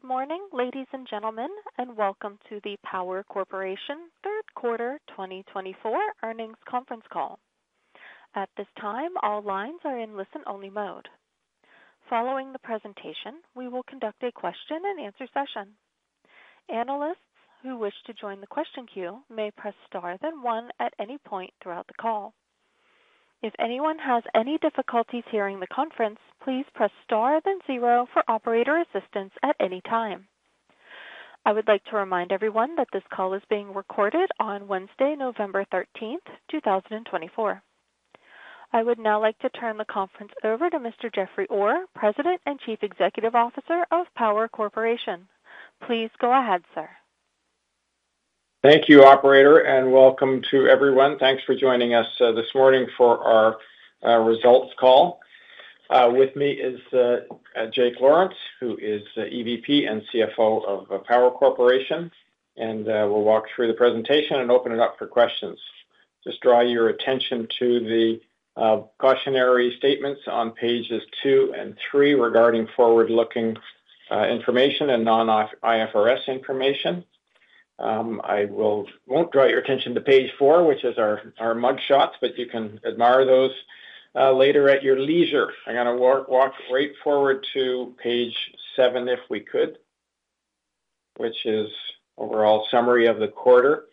Good morning, ladies and gentlemen, and welcome to the Power Corporation Third Quarter 2024 earnings conference call. At this time, all lines are in listen-only mode. Following the presentation, we will conduct a question-and-answer session. Analysts who wish to join the question queue may press star then one at any point throughout the call. If anyone has any difficulties hearing the conference, please press star then zero for operator assistance at any time. I would like to remind everyone that this call is being recorded on Wednesday, November 13th, 2024. I would now like to turn the conference over to Mr. Jeffrey Orr, President and Chief Executive Officer of Power Corporation. Please go ahead, sir. Thank you, Operator, and welcome to everyone. Thanks for joining us this morning for our results call. With me is Jake Lawrence, who is EVP and CFO of Power Corporation, and we'll walk through the presentation and open it up for questions. Just draw your attention to the cautionary statements on pages two and three regarding forward-looking information and non-IFRS information. I won't draw your attention to page four, which is our mug shots, but you can admire those later at your leisure. I'm going to walk right forward to page seven if we could, which is overall summary of the quarter.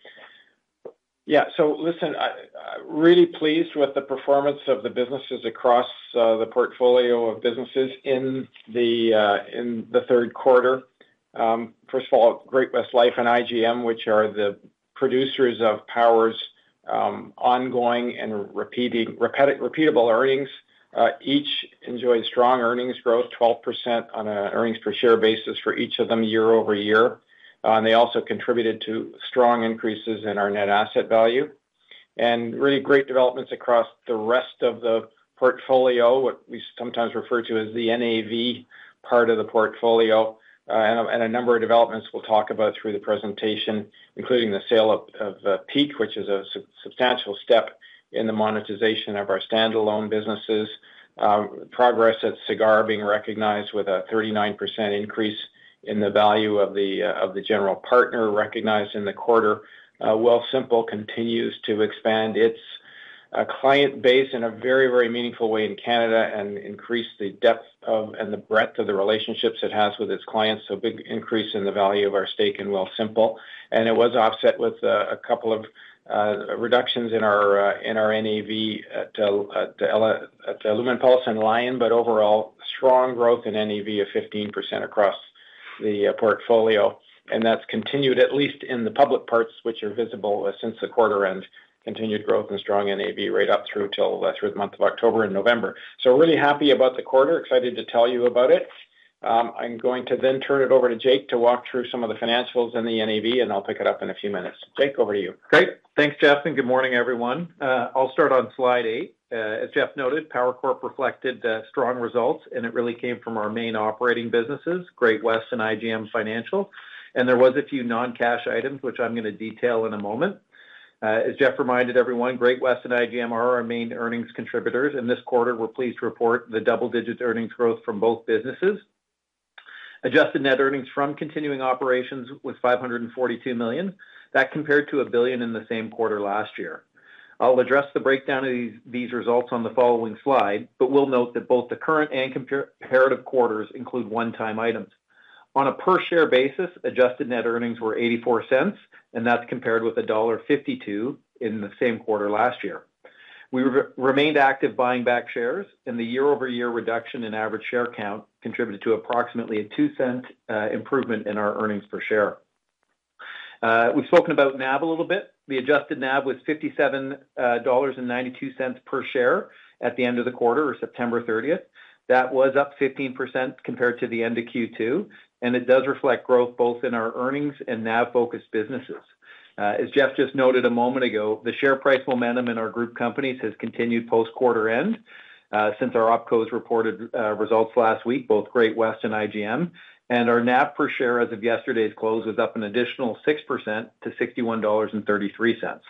Yeah, so listen, really pleased with the performance of the businesses across the portfolio of businesses in the third quarter. First of all, Great-West Lifeco and IGM, which are the producers of Power's ongoing and repeatable earnings, each enjoy strong earnings growth, 12% on an earnings per share basis for each of them year over year. They also contributed to strong increases in our net asset value and really great developments across the rest of the portfolio, what we sometimes refer to as the NAV part of the portfolio, and a number of developments we'll talk about through the presentation, including the sale of Peak, which is a substantial step in the monetization of our standalone businesses. Progress at Sagard being recognized with a 39% increase in the value of the general partner recognized in the quarter. Wealthsimple continues to expand its client base in a very, very meaningful way in Canada and increase the depth and the breadth of the relationships it has with its clients. So, big increase in the value of our stake in Wealthsimple. And it was offset with a couple of reductions in our NAV at the Lumenpulse and Lion, but overall strong growth in NAV of 15% across the portfolio. And that's continued, at least in the public parts, which are visible since the quarter end, continued growth and strong NAV right up through the month of October and November. So, really happy about the quarter, excited to tell you about it. I'm going to then turn it over to Jake to walk through some of the financials and the NAV, and I'll pick it up in a few minutes. Jake, over to you. Great. Thanks, Jeff, and good morning, everyone. I'll start on slide eight. As Jeff noted, Power Corporation reflected strong results, and it really came from our main operating businesses, Great-West and IGM Financial, and there were a few non-cash items, which I'm going to detail in a moment. As Jeff reminded everyone, Great-West and IGM are our main earnings contributors. In this quarter, we're pleased to report the double-digit earnings growth from both businesses. Adjusted net earnings from continuing operations was 542 million. That compared to 1 billion in the same quarter last year. I'll address the breakdown of these results on the following slide, but we'll note that both the current and comparative quarters include one-time items. On a per-share basis, adjusted net earnings were 0.84, and that's compared with dollar 1.52 in the same quarter last year. We remained active buying back shares, and the year-over-year reduction in average share count contributed to approximately a 0.02 improvement in our earnings per share. We've spoken about NAV a little bit. The adjusted NAV was 57.92 dollars per share at the end of the quarter, or September 30th. That was up 15% compared to the end of Q2, and it does reflect growth both in our earnings and NAV-focused businesses. As Jeff just noted a moment ago, the share price momentum in our group companies has continued post-quarter end since our OpCos reported results last week, both Great-West and IGM, and our NAV per share as of yesterday's close was up an additional 6% to 61.33 dollars.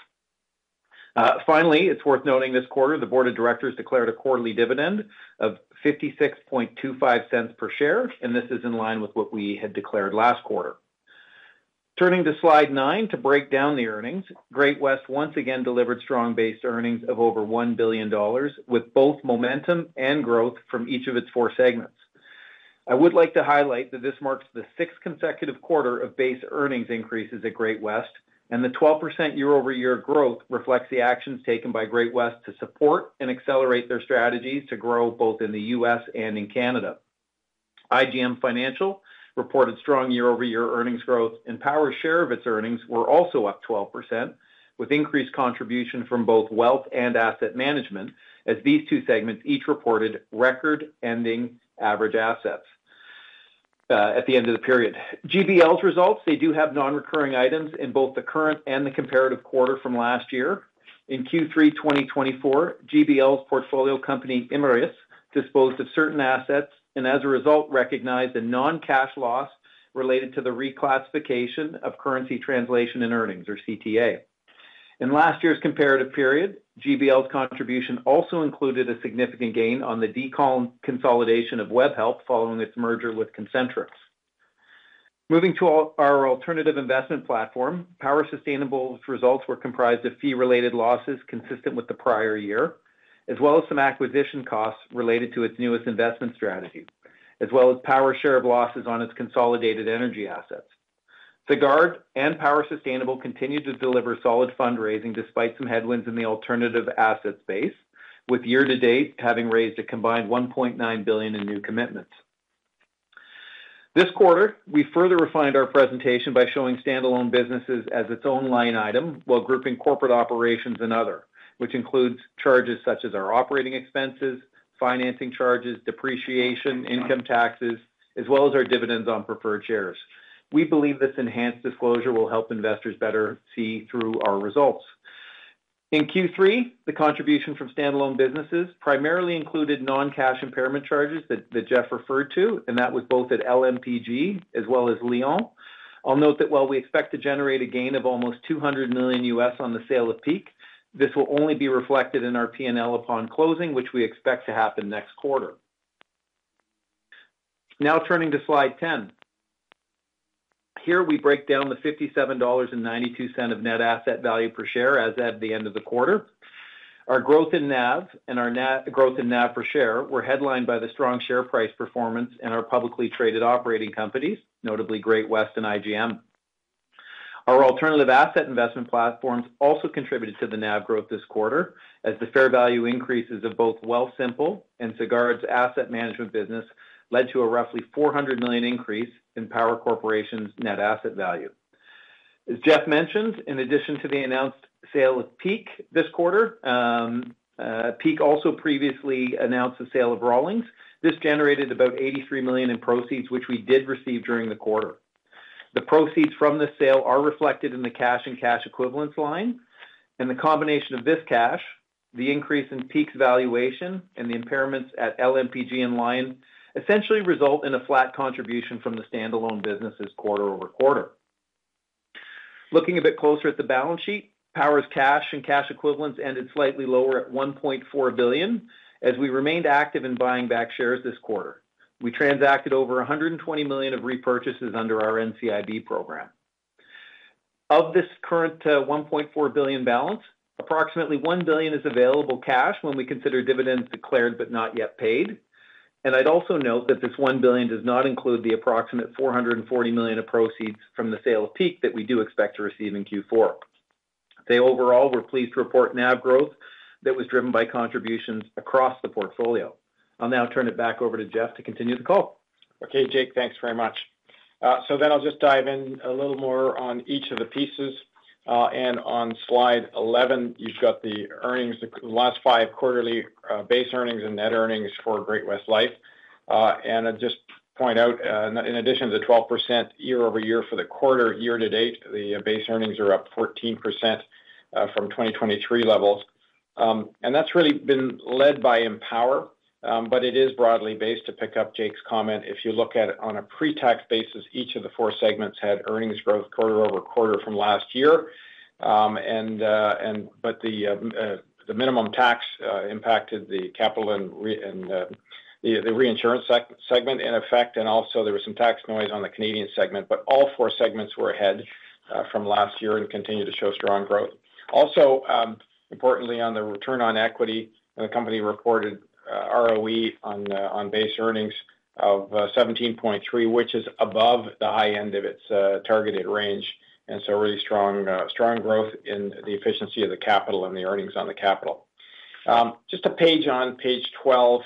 Finally, it's worth noting this quarter, the board of directors declared a quarterly dividend of 56.25 per share, and this is in line with what we had declared last quarter. Turning to slide nine to break down the earnings, Great-West once again delivered strong base earnings of over 1 billion dollars, with both momentum and growth from each of its four segments. I would like to highlight that this marks the sixth consecutive quarter of base earnings increases at Great-West, and the 12% year-over-year growth reflects the actions taken by Great-West to support and accelerate their strategies to grow both in the U.S. and in Canada. IGM Financial reported strong year-over-year earnings growth, and Power's share of its earnings were also up 12%, with increased contribution from both wealth and asset management, as these two segments each reported record-ending average assets at the end of the period. GBL's results, they do have non-recurring items in both the current and the comparative quarter from last year. In Q3 2024, GBL's portfolio company Imerys disposed of certain assets and, as a result, recognized a non-cash loss related to the reclassification of currency translation adjustments, or CTA. In last year's comparative period, GBL's contribution also included a significant gain on the deconsolidation of Webhelp following its merger with Concentrix. Moving to our alternative investment platform, Power Sustainable's results were comprised of fee-related losses consistent with the prior year, as well as some acquisition costs related to its newest investment strategy, as well as Power share of losses on its consolidated energy assets. Sagard and Power Sustainable continued to deliver solid fundraising despite some headwinds in the alternative asset space, with year-to-date having raised a combined 1.9 billion in new commitments. This quarter, we further refined our presentation by showing standalone businesses as its own line item while grouping corporate operations and other, which includes charges such as our operating expenses, financing charges, depreciation, income taxes, as well as our dividends on preferred shares. We believe this enhanced disclosure will help investors better see through our results. In Q3, the contribution from standalone businesses primarily included non-cash impairment charges that Jeff referred to, and that was both at LMPG as well as Lion. I'll note that while we expect to generate a gain of almost $200 million on the sale of Peak, this will only be reflected in our P&L upon closing, which we expect to happen next quarter. Now turning to slide ten, here we break down the $57.92 of net asset value per share as at the end of the quarter. Our growth in NAV and our growth in NAV per share were headlined by the strong share price performance and our publicly traded operating companies, notably Great-West and IGM. Our alternative asset investment platforms also contributed to the NAV growth this quarter, as the fair value increases of both Wealthsimple and Sagard's asset management business led to a roughly 400 million increase in Power Corporation's net asset value. As Jeff mentioned, in addition to the announced sale of Peak this quarter, Peak also previously announced the sale of Rawlings. This generated about 83 million in proceeds, which we did receive during the quarter. The proceeds from this sale are reflected in the cash and cash equivalents line, and the combination of this cash, the increase in Peak's valuation, and the impairments at LMPG and Lune Rouge essentially result in a flat contribution from the standalone businesses quarter over quarter. Looking a bit closer at the balance sheet, Power's cash and cash equivalents ended slightly lower at 1.4 billion, as we remained active in buying back shares this quarter. We transacted over 120 million of repurchases under our NCIB program. Of this current 1.4 billion balance, approximately 1 billion is available cash when we consider dividends declared but not yet paid. And I'd also note that this 1 billion does not include the approximate 440 million of proceeds from the sale of Peak that we do expect to receive in Q4. They overall were pleased to report NAV growth that was driven by contributions across the portfolio. I'll now turn it back over to Jeff to continue the call. Okay, Jake, thanks very much. So then I'll just dive in a little more on each of the pieces. And on slide 11, you've got the earnings, the last five quarterly base earnings and net earnings for Great-West Life. And I'll just point out, in addition to the 12% year-over-year for the quarter, year-to-date, the base earnings are up 14% from 2023 levels. And that's really been led by Empower, but it is broadly based to pick up Jake's comment. If you look at it on a pre-tax basis, each of the four segments had earnings growth quarter over quarter from last year, but the minimum tax impacted the capital and the reinsurance segment in effect. And also, there was some tax noise on the Canadian segment, but all four segments were ahead from last year and continue to show strong growth. Also, importantly, on the return on equity, the company reported ROE on base earnings of 17.3%, which is above the high end of its targeted range, and so really strong growth in the efficiency of the capital and the earnings on the capital. Just a page, on page 12,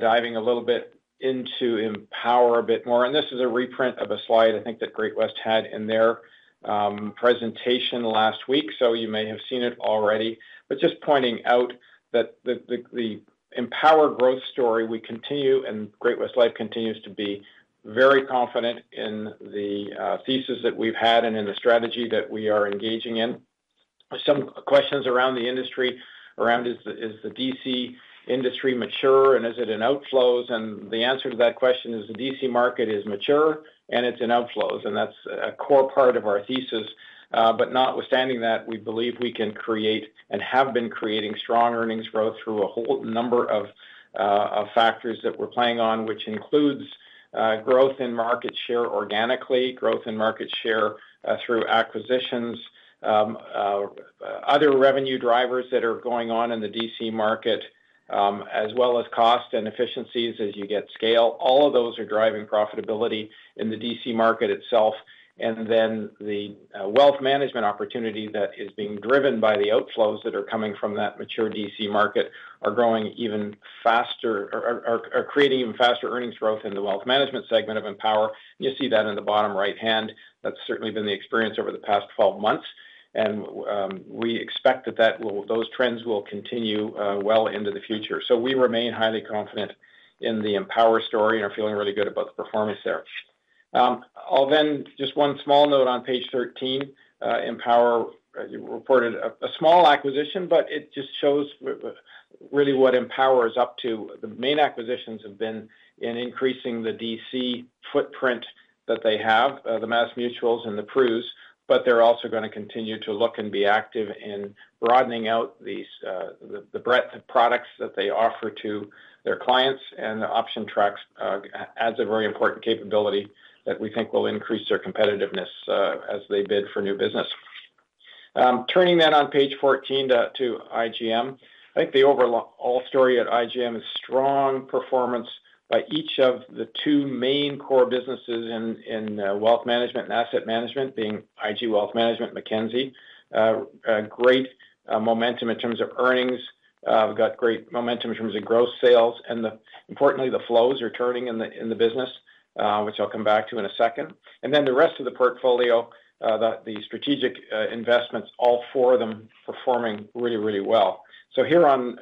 diving a little bit into Empower a bit more. And this is a reprint of a slide I think that Great-West had in their presentation last week, so you may have seen it already. But just pointing out that the Empower growth story, we continue and Great-West Life continues to be very confident in the thesis that we've had and in the strategy that we are engaging in. Some questions around the industry, around is the DC industry mature and is it in outflows? And the answer to that question is the DC market is mature and it's in outflows, and that's a core part of our thesis. But notwithstanding that, we believe we can create and have been creating strong earnings growth through a whole number of factors that we're playing on, which includes growth in market share organically, growth in market share through acquisitions, other revenue drivers that are going on in the DC market, as well as cost and efficiencies as you get scale. All of those are driving profitability in the DC market itself. And then the wealth management opportunity that is being driven by the outflows that are coming from that mature DC market are growing even faster or are creating even faster earnings growth in the wealth management segment of Empower. You see that in the bottom right hand. That's certainly been the experience over the past 12 months, and we expect that those trends will continue well into the future, so we remain highly confident in the Empower story and are feeling really good about the performance there, I'll then just one small note on page 13. Empower reported a small acquisition, but it just shows really what Empower is up to. The main acquisitions have been in increasing the DC footprint that they have, the MassMutual's and the Pru's. But they're also going to continue to look and be active in broadening out the breadth of products that they offer to their clients, and the OptionTrax adds a very important capability that we think will increase their competitiveness as they bid for new business. Turning then on page 14 to IGM. I think the overall story at IGM is strong performance by each of the two main core businesses in wealth management and asset management, being IG Wealth Management and Mackenzie. Great momentum in terms of earnings. We've got great momentum in terms of gross sales. And importantly, the flows are turning in the business, which I'll come back to in a second. And then the rest of the portfolio, the strategic investments, all four of them performing really, really well. So here on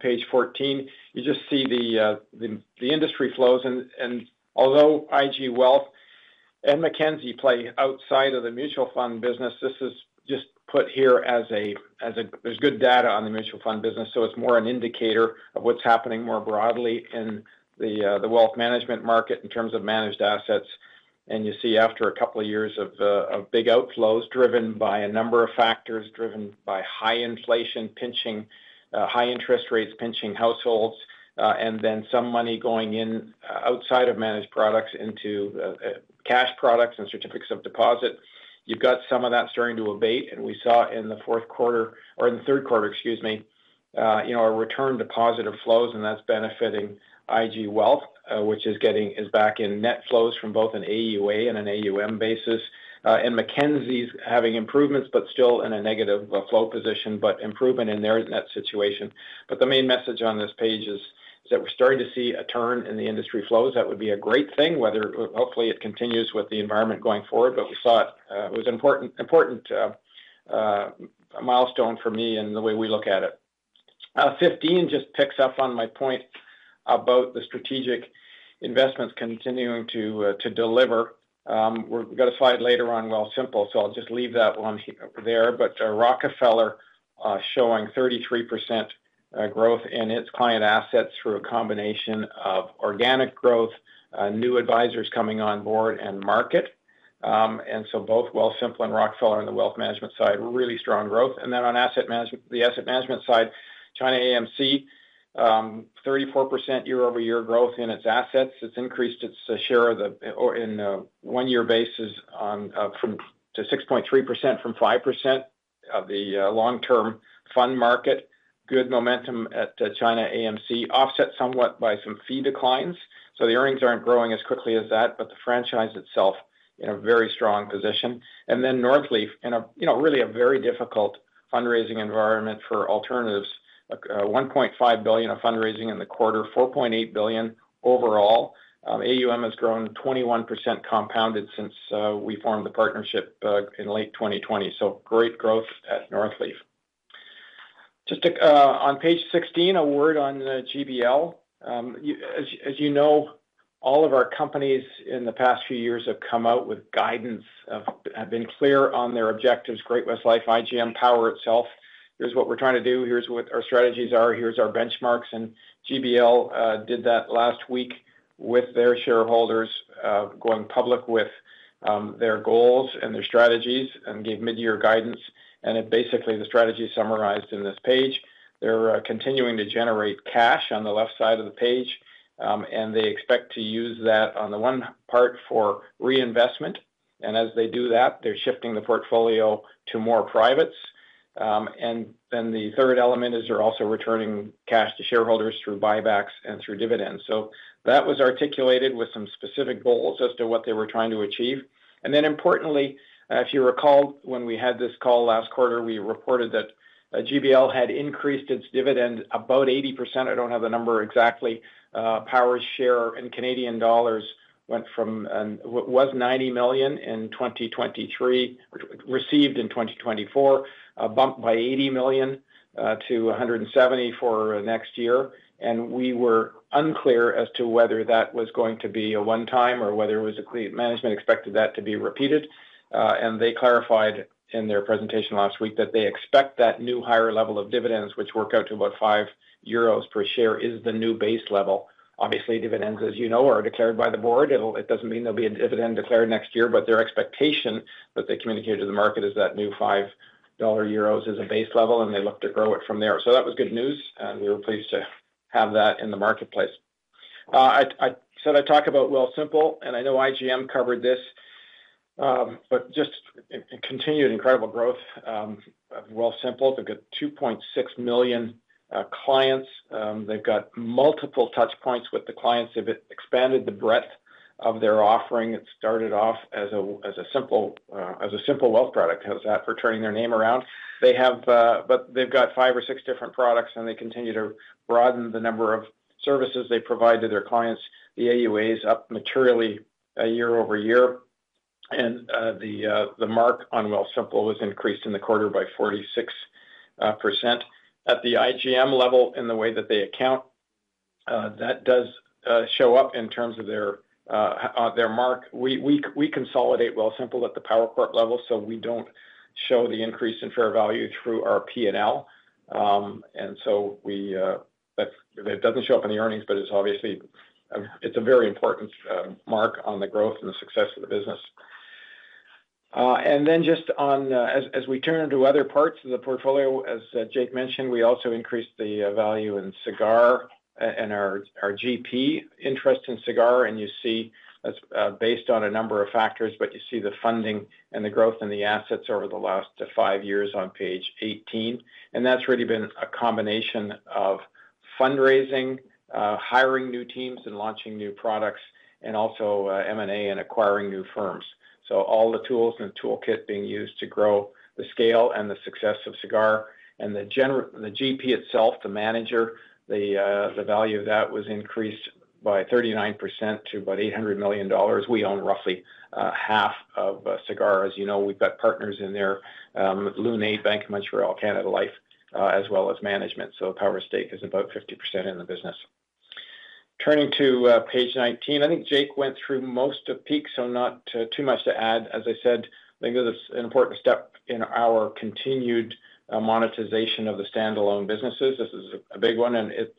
page 14, you just see the industry flows. And although IG Wealth and Mackenzie play outside of the mutual fund business, this is just put here as there's good data on the mutual fund business, so it's more an indicator of what's happening more broadly in the wealth management market in terms of managed assets. You see after a couple of years of big outflows driven by a number of factors, driven by high inflation, pinching high interest rates, pinching households, and then some money going in outside of managed products into cash products and certificates of deposit. You've got some of that starting to abate, and we saw in the fourth quarter or in the third quarter, excuse me, a return to positive flows, and that's benefiting IG Wealth, which is getting back in net flows from both an AUA and an AUM basis. And Mackenzie's having improvements, but still in a negative flow position, but improvement in their net situation. But the main message on this page is that we're starting to see a turn in the industry flows. That would be a great thing. We hope it continues with the environment going forward, but we saw it. It was an important milestone for me and the way we look at it. 15 just picks up on my point about the strategic investments continuing to deliver. We've got a slide later on Wealthsimple, so I'll just leave that one there, but Rockefeller showing 33% growth in its client assets through a combination of organic growth, new advisors coming on board, and market, and so both Wealthsimple and Rockefeller on the wealth management side, really strong growth, and then on the asset management side, ChinaAMC, 34% year-over-year growth in its assets. It's increased its share in one-year basis to 6.3% from 5% of the long-term fund market. Good momentum at ChinaAMC, offset somewhat by some fee declines, so the earnings aren't growing as quickly as that, but the franchise itself in a very strong position. And then Northleaf, in a really very difficult fundraising environment for alternatives, 1.5 billion of fundraising in the quarter, 4.8 billion overall. AUM has grown 21% compounded since we formed the partnership in late 2020. So great growth at Northleaf. Just on page 16, a word on GBL. As you know, all of our companies in the past few years have come out with guidance, have been clear on their objectives: Great-West Lifeco, IGM, Power itself. Here's what we're trying to do. Here's what our strategies are. Here's our benchmarks. And GBL did that last week with their shareholders, going public with their goals and their strategies, and gave mid-year guidance. And basically, the strategy summarized in this page. They're continuing to generate cash on the left side of the page, and they expect to use that on the one part for reinvestment. And as they do that, they're shifting the portfolio to more privates. And then the third element is they're also returning cash to shareholders through buybacks and through dividends. So that was articulated with some specific goals as to what they were trying to achieve. And then importantly, if you recall, when we had this call last quarter, we reported that GBL had increased its dividend about 80%. I don't have the number exactly. Power's share in Canadian dollars went from was 90 million in 2023, received in 2024, bumped by 80 million to 170 million for next year. And we were unclear as to whether that was going to be a one-time or whether management expected that to be repeated. They clarified in their presentation last week that they expect that new higher level of dividends, which worked out to about 5 euros per share, is the new base level. Obviously, dividends, as you know, are declared by the board. It doesn't mean there'll be a dividend declared next year, but their expectation that they communicated to the market is that new 5 euros is a base level, and they look to grow it from there. That was good news, and we were pleased to have that in the marketplace. I talk about Wealthsimple, and I know IGM covered this, but just continued incredible growth of Wealthsimple. They've got 2.6 million clients. They've got multiple touch points with the clients. They've expanded the breadth of their offering. It started off as a simple wealth product, as that for turning their name around. But they've got five or six different products, and they continue to broaden the number of services they provide to their clients. The AUA is up materially year-over-year, and the mark on Wealthsimple was increased in the quarter by 46%. At the IGM level, in the way that they account, that does show up in terms of their mark. We consolidate Wealthsimple at the Power Corporation level, so we don't show the increase in fair value through our P&L. And so it doesn't show up in the earnings, but it's obviously a very important mark on the growth and the success of the business. And then just as we turn to other parts of the portfolio, as Jake mentioned, we also increased the value in Sagard and our GP interest in Sagard. You see that's based on a number of factors, but you see the funding and the growth in the assets over the last five years on page 18. That's really been a combination of fundraising, hiring new teams, and launching new products, and also M&A and acquiring new firms. All the tools and toolkit being used to grow the scale and the success of Sagard. The GP itself, the manager, the value of that was increased by 39% to about $800 million. We own roughly half of Sagard. As you know, we've got partners in there, Lune Rouge, Bank of Montreal, Canada Life, as well as management. Power's stake is about 50% in the business. Turning to page 19, I think Jake went through most of Peak, so not too much to add. As I said, I think that's an important step in our continued monetization of the standalone businesses. This is a big one, and it's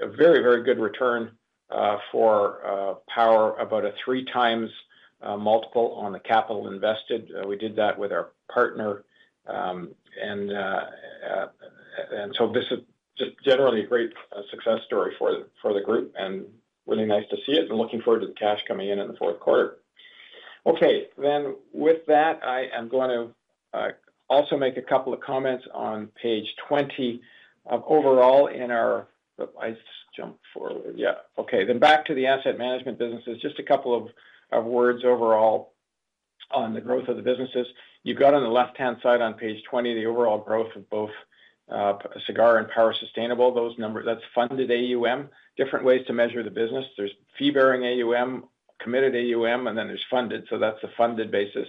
a very, very good return for Power, about a three-times multiple on the capital invested. We did that with our partner, and so this is just generally a great success story for the group, and really nice to see it, and looking forward to the cash coming in in the fourth quarter. Okay. Then with that, I am going to also make a couple of comments on page 20. Overall, in our I just jumped forward. Yeah. Okay. Then back to the asset management businesses. Just a couple of words overall on the growth of the businesses. You've got on the left-hand side on page 20, the overall growth of both Sagard and Power Sustainable. That's funded AUM, different ways to measure the business. There's fee-bearing AUM, committed AUM, and then there's funded. So that's the funded basis.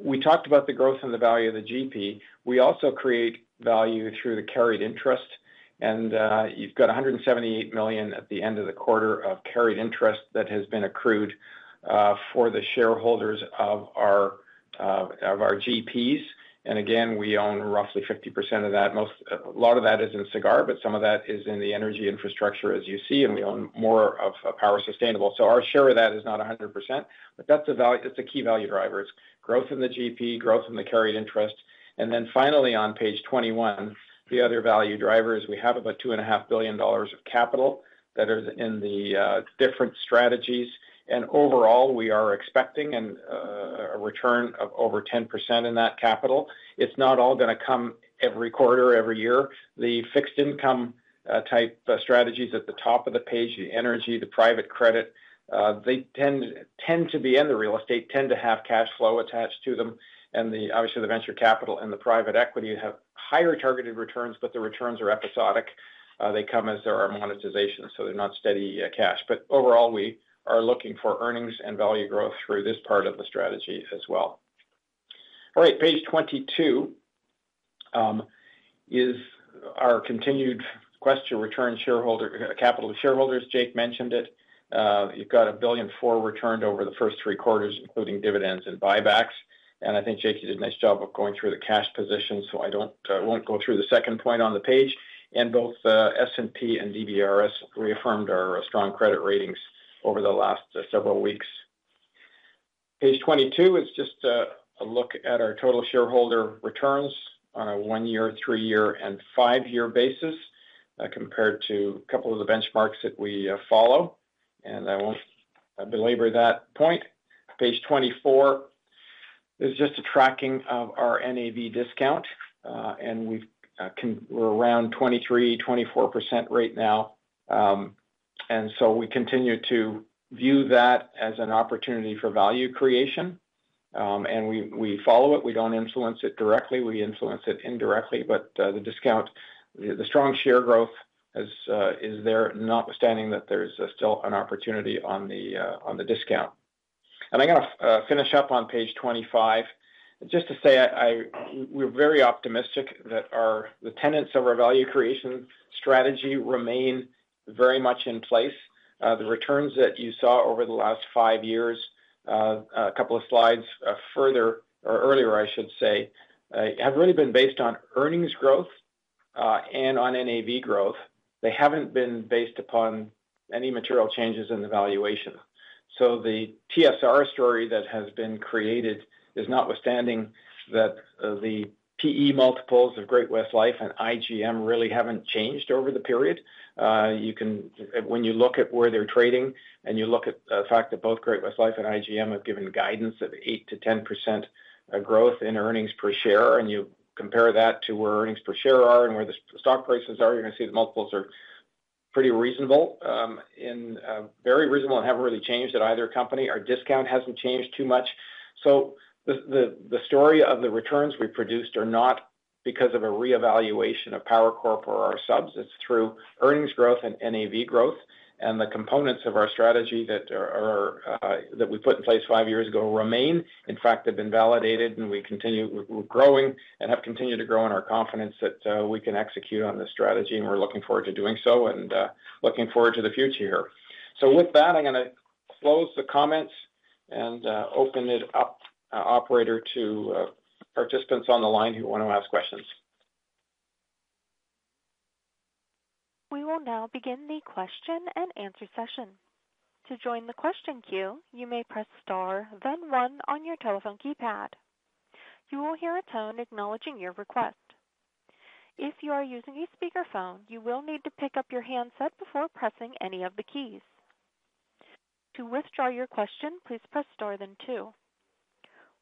We talked about the growth and the value of the GP. We also create value through the carried interest. You've got 178 million at the end of the quarter of carried interest that has been accrued for the shareholders of our GPs. We own roughly 50% of that. A lot of that is in Sagard, but some of that is in the energy infrastructure, as you see, and we own more of Power Sustainable. Our share of that is not 100%, but that's a key value driver. It's growth in the GP, growth in the carried interest. On page 21, the other value driver is we have about 2.5 billion dollars of capital that is in the different strategies. Overall, we are expecting a return of over 10% in that capital. It's not all going to come every quarter, every year. The fixed-income type strategies at the top of the page, the energy, the private credit, they tend to be in the real estate, tend to have cash flow attached to them. Obviously, the venture capital and the private equity have higher targeted returns, but the returns are episodic. They come as there are monetizations, so they're not steady cash. Overall, we are looking for earnings and value growth through this part of the strategy as well. All right. Page 22 is our continued quest to return capital to shareholders. Jake mentioned it. You've got 1.4 billion returned over the first three quarters, including dividends and buybacks. I think Jake did a nice job of going through the cash position, so I won't go through the second point on the page. Both S&P and DBRS reaffirmed our strong credit ratings over the last several weeks. Page 22 is just a look at our total shareholder returns on a one-year, three-year, and five-year basis compared to a couple of the benchmarks that we follow. I won't belabor that point. Page 24 is just a tracking of our NAV discount. We're around 23%-24% right now. We continue to view that as an opportunity for value creation. We follow it. We don't influence it directly. We influence it indirectly. The discount, the strong share growth is there, notwithstanding that there's still an opportunity on the discount. I'm going to finish up on page 25. Just to say, we're very optimistic that the tenets of our value creation strategy remain very much in place. The returns that you saw over the last five years, a couple of slides further or earlier, I should say, have really been based on earnings growth and on NAV growth. They haven't been based upon any material changes in the valuation. So the TSR story that has been created is notwithstanding that the PE multiples of Great-West Lifeco and IGM really haven't changed over the period. When you look at where they're trading and you look at the fact that both Great-West Life and IGM have given guidance of 8%-10% growth in earnings per share, and you compare that to where earnings per share are and where the stock prices are, you're going to see the multiples are pretty reasonable, very reasonable, and haven't really changed at either company. Our discount hasn't changed too much. The story of the returns we produced is not because of a reevaluation of Power Corporation or our subs. It's through earnings growth and NAV growth. The components of our strategy that we put in place five years ago remain. In fact, they've been validated, and we're growing and have continued to grow in our confidence that we can execute on this strategy. And we're looking forward to doing so and looking forward to the future here. So with that, I'm going to close the comments and open it up, Operator, to participants on the line who want to ask questions. We will now begin the question and answer session. To join the question queue, you may press star, then one on your telephone keypad. You will hear a tone acknowledging your request. If you are using a speakerphone, you will need to pick up your handset before pressing any of the keys. To withdraw your question, please press star, then two.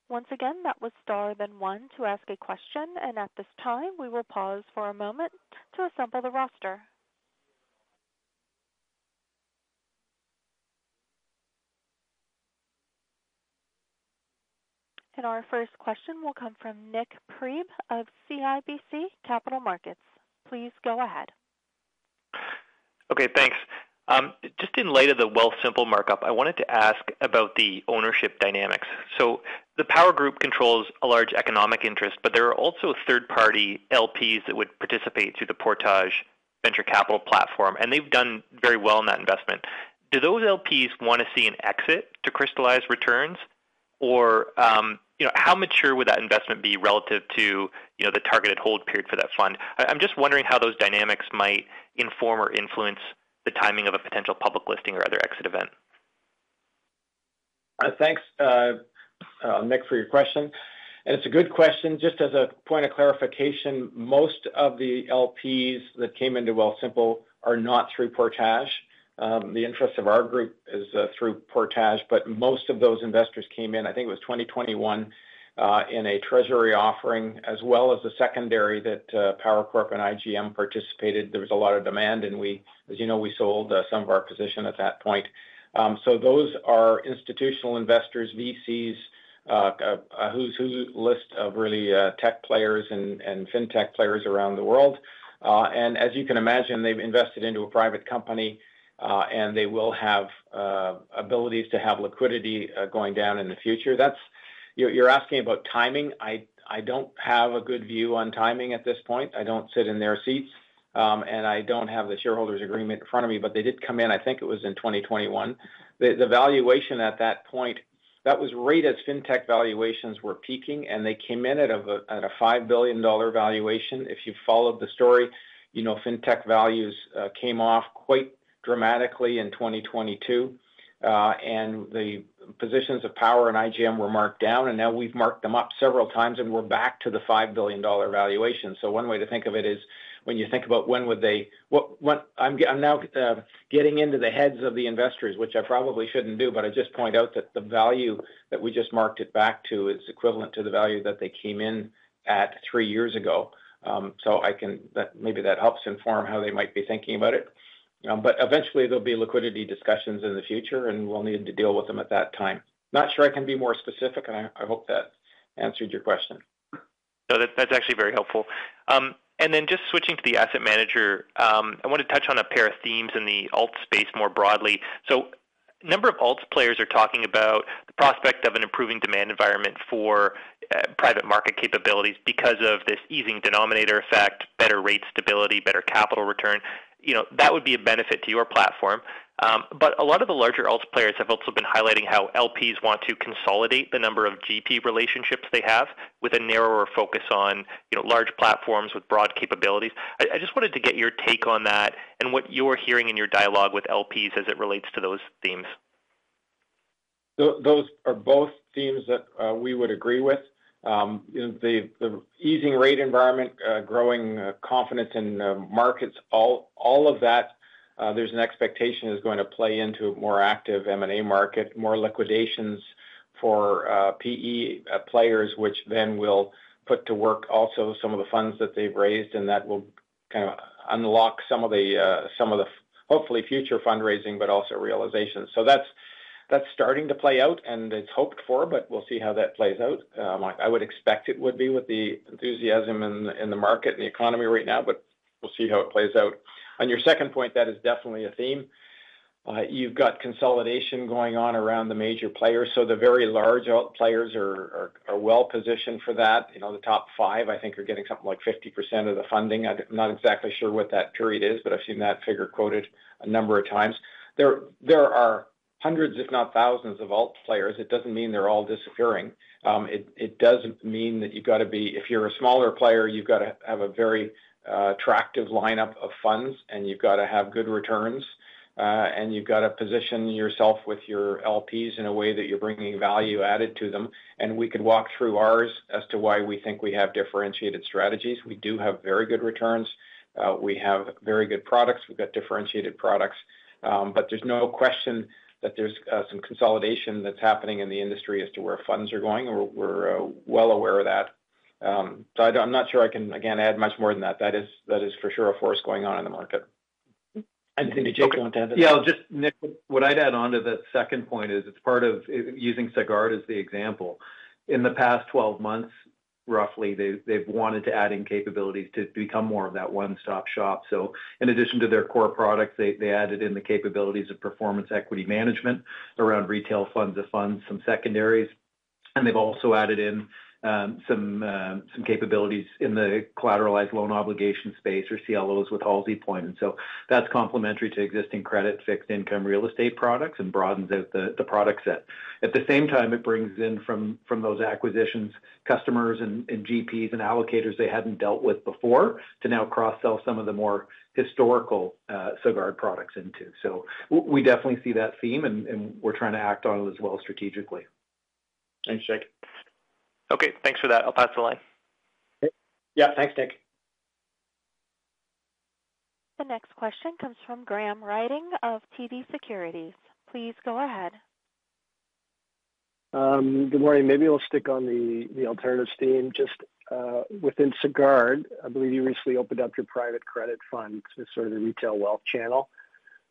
Once again, that was star, then one to ask a question. And at this time, we will pause for a moment to assemble the roster. And our first question will come from Nik Priebe of CIBC Capital Markets. Please go ahead. Okay. Thanks. Just in light of the Wealthsimple markup, I wanted to ask about the ownership dynamics. So the Power Group controls a large economic interest, but there are also third-party LPs that would participate through the Portage Ventures platform. And they've done very well in that investment. Do those LPs want to see an exit to crystallize returns? Or how mature would that investment be relative to the targeted hold period for that fund? I'm just wondering how those dynamics might inform or influence the timing of a potential public listing or other exit event. Thanks, Nik, for your question. It's a good question. Just as a point of clarification, most of the LPs that came into Wealthsimple are not through Portage. The interest of our group is through Portage. Most of those investors came in, I think it was 2021, in a treasury offering, as well as a secondary that Power Corporation and IGM participated. There was a lot of demand. As you know, we sold some of our position at that point. Those are institutional investors, VCs, who's who list of really tech players and fintech players around the world. As you can imagine, they've invested into a private company, and they will have abilities to have liquidity going down in the future. You're asking about timing. I don't have a good view on timing at this point. I don't sit in their seats, and I don't have the shareholders' agreement in front of me. But they did come in, I think it was in 2021. The valuation at that point, that was right as fintech valuations were peaking, and they came in at a $5 billion valuation. If you've followed the story, fintech values came off quite dramatically in 2022. And the positions of Power and IGM were marked down, and now we've marked them up several times, and we're back to the $5 billion valuation. So one way to think of it is when you think about when would they. I'm now getting into the heads of the investors, which I probably shouldn't do, but I just point out that the value that we just marked it back to is equivalent to the value that they came in at three years ago. So maybe that helps inform how they might be thinking about it. But eventually, there'll be liquidity discussions in the future, and we'll need to deal with them at that time. Not sure I can be more specific, and I hope that answered your question. No, that's actually very helpful. And then just switching to the asset manager, I want to touch on a pair of themes in the alts space more broadly. So a number of alts players are talking about the prospect of an improving demand environment for private market capabilities because of this easing denominator effect, better rate stability, better capital return. That would be a benefit to your platform. But a lot of the larger alts players have also been highlighting how LPs want to consolidate the number of GP relationships they have with a narrower focus on large platforms with broad capabilities. I just wanted to get your take on that and what you're hearing in your dialogue with LPs as it relates to those themes. Those are both themes that we would agree with. The easing rate environment, growing confidence in markets, all of that, there's an expectation is going to play into a more active M&A market, more liquidations for PE players, which then will put to work also some of the funds that they've raised, and that will kind of unlock some of the hopefully future fundraising, but also realizations. So that's starting to play out, and it's hoped for, but we'll see how that plays out. I would expect it would be with the enthusiasm in the market and the economy right now, but we'll see how it plays out. On your second point, that is definitely a theme. You've got consolidation going on around the major players. So the very large players are well positioned for that. The top five, I think, are getting something like 50% of the funding. I'm not exactly sure what that period is, but I've seen that figure quoted a number of times. There are hundreds, if not thousands, of alts players. It doesn't mean they're all disappearing. It doesn't mean that you've got to be if you're a smaller player, you've got to have a very attractive lineup of funds, and you've got to have good returns, and you've got to position yourself with your LPs in a way that you're bringing value added to them. And we could walk through ours as to why we think we have differentiated strategies. We do have very good returns. We have very good products. We've got differentiated products. But there's no question that there's some consolidation that's happening in the industry as to where funds are going. We're well aware of that. So I'm not sure I can, again, add much more than that. That is for sure a force going on in the market. Anything that Jake wanted to add? Yeah. Just, Nik, what I'd add on to that second point is it's part of using Sagard as the example. In the past 12 months, roughly, they've wanted to add in capabilities to become more of that one-stop shop. So in addition to their core products, they added in the capabilities of Performance Equity Management around retail funds of funds, some secondaries. And they've also added in some capabilities in the collateralized loan obligation space or CLOs with HalseyPoint. And so that's complementary to existing credit fixed-income real estate products and broadens out the product set. At the same time, it brings in from those acquisitions customers and GPs and allocators they hadn't dealt with before to now cross-sell some of the more historical Sagard products into. So we definitely see that theme, and we're trying to act on it as well strategically. Thanks, Jake. Okay. Thanks for that. I'll pass the line. Yeah. Thanks, Nik. The next question comes from Graham Ryding of TD Securities. Please go ahead. Good morning. Maybe we'll stick on the alternatives theme. Just within Sagard, I believe you recently opened up your private credit fund, sort of the retail wealth channel.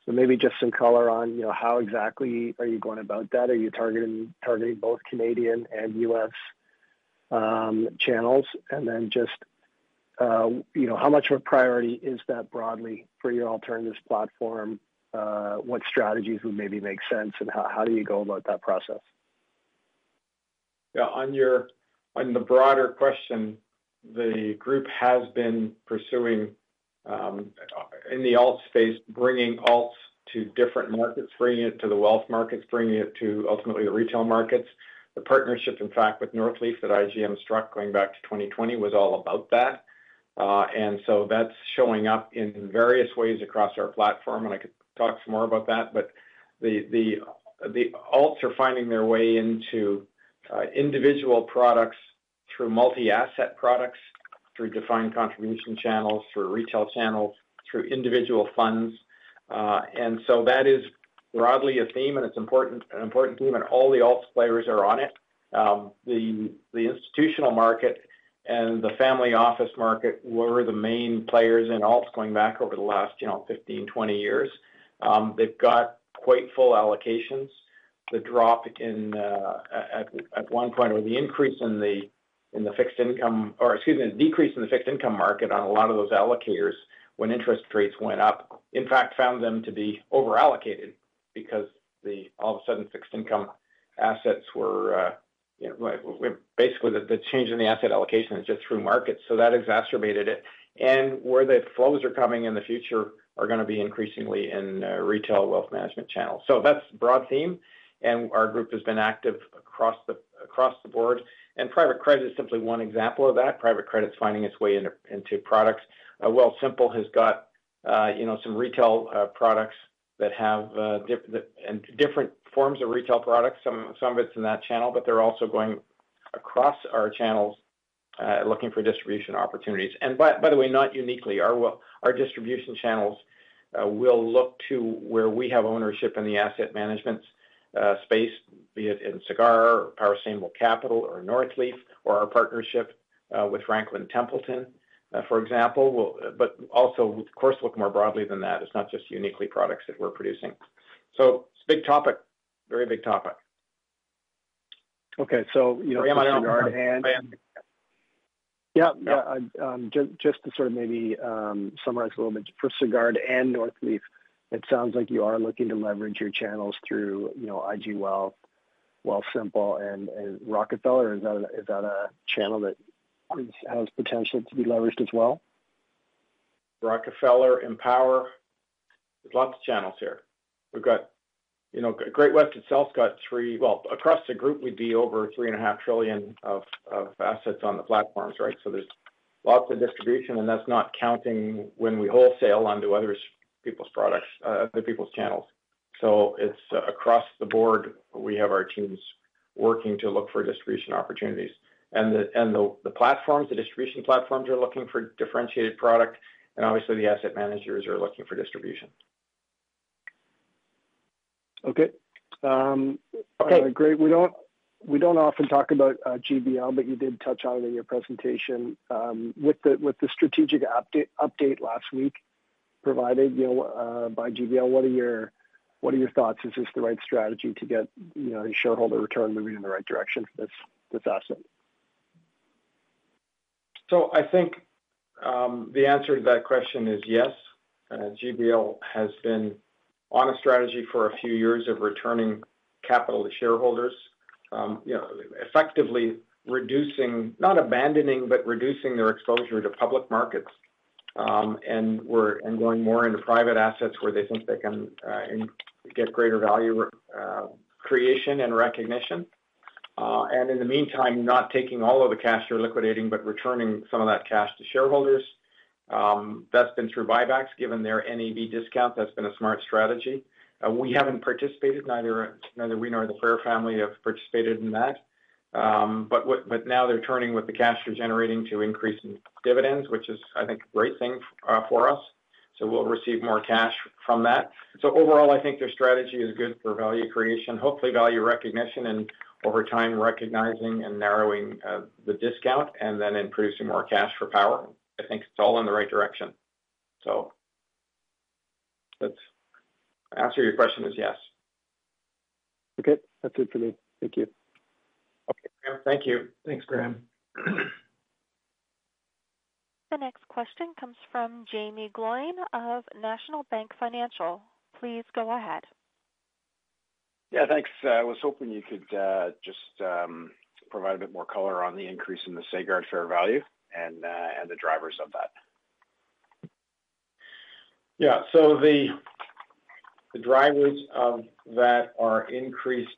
So maybe just some color on how exactly are you going about that? Are you targeting both Canadian and U.S. channels? And then just how much of a priority is that broadly for your alternatives platform? What strategies would maybe make sense? And how do you go about that process? Yeah. On the broader question, the group has been pursuing in the alts space, bringing alts to different markets, bringing it to the wealth markets, bringing it to ultimately the retail markets. The partnership, in fact, with Northleaf that IGM struck going back to 2020 was all about that. And so that's showing up in various ways across our platform. And I could talk some more about that. But the alts are finding their way into individual products through multi-asset products, through defined contribution channels, through retail channels, through individual funds. And so that is broadly a theme, and it's an important theme, and all the alts players are on it. The institutional market and the family office market were the main players in alts going back over the last 15, 20 years. They've got quite full allocations. The drop at one point or the increase in the fixed income or, excuse me, the decrease in the fixed income market on a lot of those allocators when interest rates went up, in fact, found them to be overallocated because all of a sudden, fixed income assets were basically the change in the asset allocation is just through markets. So that exacerbated it. And where the flows are coming in the future are going to be increasingly in retail wealth management channels. So that's a broad theme. And our group has been active across the board. And private credit is simply one example of that. Private credit's finding its way into products. Wealthsimple has got some retail products that have different forms of retail products. Some of it's in that channel, but they're also going across our channels looking for distribution opportunities. And by the way, not uniquely. Our distribution channels will look to where we have ownership in the asset management space, be it in Sagard, Power Sustainable, or Northleaf, or our partnership with Franklin Templeton, for example. But also, of course, look more broadly than that. It's not just uniquely products that we're producing. So it's a big topic, very big topic. Okay. So Sagard and. Yeah. Yeah. Just to sort of maybe summarize a little bit. For Sagard and Northleaf, it sounds like you are looking to leverage your channels through IG Wealth, Wealthsimple, and Rockefeller. Is that a channel that has potential to be leveraged as well? Rockefeller, Empower. There's lots of channels here. We've got Great-West itself got three well, across the group, we'd be over three and a half trillion of assets on the platforms, right? So there's lots of distribution, and that's not counting when we wholesale onto other people's products, other people's channels. So it's across the board. We have our teams working to look for distribution opportunities. And the platforms, the distribution platforms are looking for differentiated product, and obviously, the asset managers are looking for distribution. Okay. Great. We don't often talk about GBL, but you did touch on it in your presentation. With the strategic update last week provided by GBL, what are your thoughts? Is this the right strategy to get your shareholder return moving in the right direction for this asset? So I think the answer to that question is yes. GBL has been on a strategy for a few years of returning capital to shareholders, effectively reducing, not abandoning, but reducing their exposure to public markets and going more into private assets where they think they can get greater value creation and recognition. And in the meantime, not taking all of the cash they're liquidating, but returning some of that cash to shareholders. That's been through buybacks, given their NAV discount. That's been a smart strategy. We haven't participated. Neither we nor the Frère family have participated in that. But now they're turning with the cash they're generating to increase in dividends, which is, I think, a great thing for us. So we'll receive more cash from that. So overall, I think their strategy is good for value creation, hopefully value recognition, and over time, recognizing and narrowing the discount, and then in producing more cash for Power. I think it's all in the right direction. So the answer to your question is yes. Okay. That's it for me. Thank you. Okay. Thank you. Thanks, Graham. The next question comes from Jaeme Gloyn of National Bank Financial. Please go ahead. Yeah. Thanks. I was hoping you could just provide a bit more color on the increase in the Sagard fair value and the drivers of that. Yeah. So the drivers of that are increased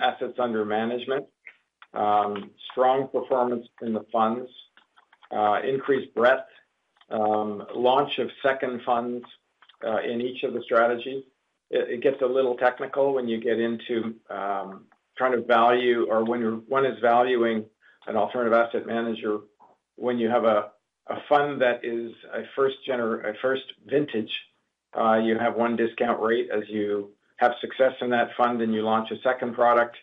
assets under management, strong performance in the funds, increased breadth, launch of second funds in each of the strategies. It gets a little technical when you get into trying to value or when one is valuing an alternative asset manager. When you have a fund that is a first vintage, you have one discount rate. As you have success in that fund and you launch a second product,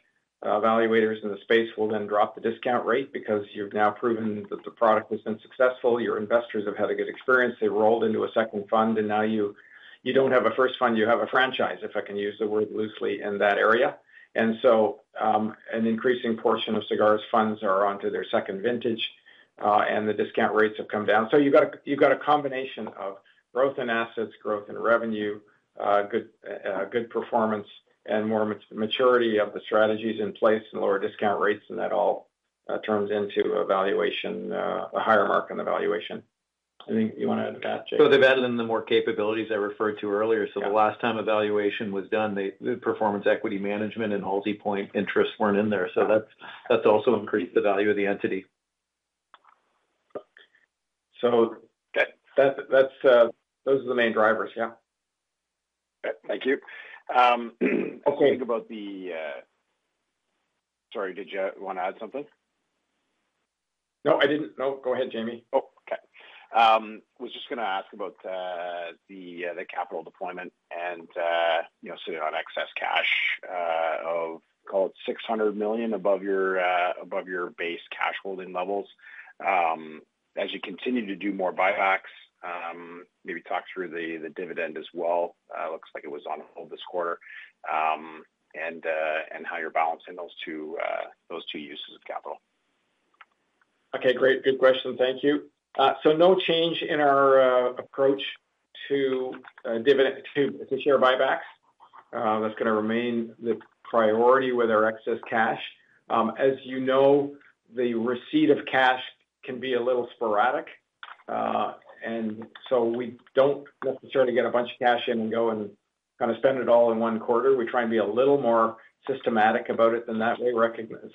valuators in the space will then drop the discount rate because you've now proven that the product has been successful. Your investors have had a good experience. They've rolled into a second fund, and now you don't have a first fund. You have a franchise, if I can use the word loosely, in that area. An increasing portion of Sagard's funds are onto their second vintage, and the discount rates have come down. You've got a combination of growth in assets, growth in revenue, good performance, and more maturity of the strategies in place and lower discount rates. That all turns into a higher mark on the valuation. I think you want to add to that, Jake? So they've added in the more capabilities I referred to earlier. So the last time evaluation was done, the Performance Equity Management and HalseyPoint interests weren't in there. So that's also increased the value of the entity. So those are the main drivers. Yeah. Okay. Thank you. Okay. Think about the sorry. Did you want to add something? No, I didn't. Nope. Go ahead, Jamie. Oh, okay. I was just going to ask about the capital deployment and sitting on excess cash of, call it, 600 million above your base cash holding levels. As you continue to do more buybacks, maybe talk through the dividend as well. It looks like it was on hold this quarter. And how you're balancing those two uses of capital. Okay. Great. Good question. Thank you. So no change in our approach to share buybacks. That's going to remain the priority with our excess cash. As you know, the receipt of cash can be a little sporadic. And so we don't necessarily get a bunch of cash in and go and kind of spend it all in one quarter. We try and be a little more systematic about it than that way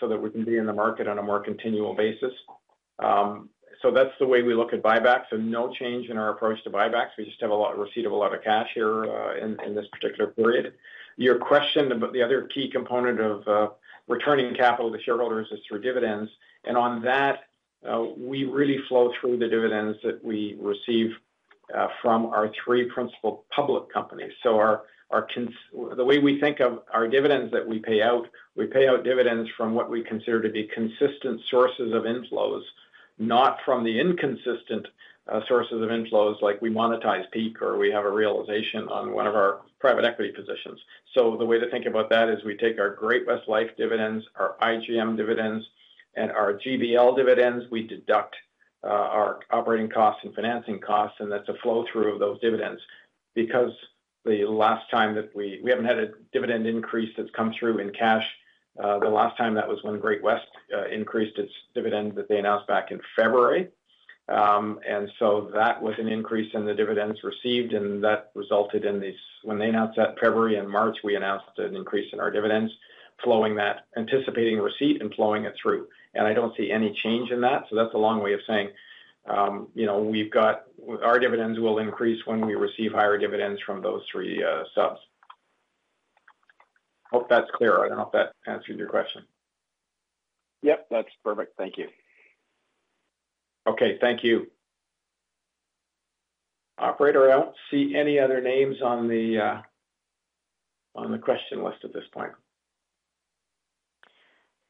so that we can be in the market on a more continual basis. So that's the way we look at buybacks. So no change in our approach to buybacks. We just have a receipt of a lot of cash here in this particular period. Your question about the other key component of returning capital to shareholders is through dividends. And on that, we really flow through the dividends that we receive from our three principal public companies. So the way we think of our dividends that we pay out, we pay out dividends from what we consider to be consistent sources of inflows, not from the inconsistent sources of inflows like we monetize Peak or we have a realization on one of our private equity positions. So the way to think about that is we take our Great-West Lifeco dividends, our IGM dividends, and our GBL dividends. We deduct our operating costs and financing costs, and that's a flow through of those dividends. Because the last time that we haven't had a dividend increase that's come through in cash, the last time that was when Great-West Lifeco increased its dividend that they announced back in February. And so that was an increase in the dividends received, and that resulted in these. When they announced that in February and March, we announced an increase in our dividends, flowing that, anticipating receipt and flowing it through. And I don't see any change in that. So that's a long way of saying we've got our dividends will increase when we receive higher dividends from those three subs. Hope that's clear. I don't know if that answered your question. Yep. That's perfect. Thank you. Okay. Thank you. Operator, I don't see any other names on the question list at this point.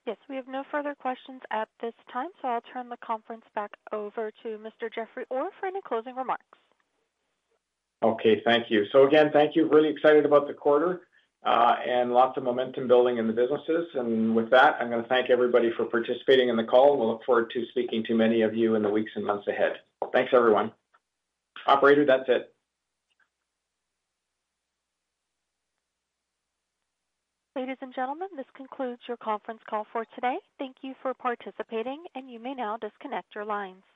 Yes. We have no further questions at this time. So I'll turn the conference back over to Mr. Jeffrey Orr for any closing remarks. Okay. Thank you, so again, thank you. Really excited about the quarter and lots of momentum building in the businesses, and with that, I'm going to thank everybody for participating in the call. We'll look forward to speaking to many of you in the weeks and months ahead. Thanks, everyone. Operator, that's it. Ladies and gentlemen, this concludes your conference call for today. Thank you for participating, and you may now disconnect your lines.